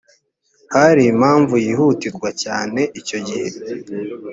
hari impamvu yihutirwa cyane icyo gihe